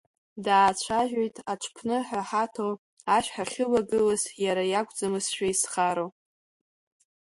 Даацәажәеит аҽԥныҳәаҳаҭо, ашә ҳахьылахаз иара иакәӡамызшәа изхароу.